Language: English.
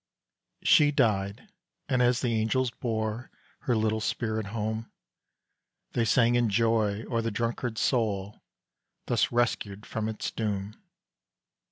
_" She died and as the angels bore Her little spirit home, They sang in joy o'er the drunkard's soul Thus rescued from its doom.